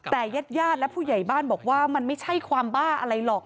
แต่ญาติญาติและผู้ใหญ่บ้านบอกว่ามันไม่ใช่ความบ้าอะไรหรอก